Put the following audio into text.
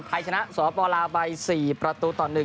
ไทยชนะสปลาวไป๔ประตูต่อ๑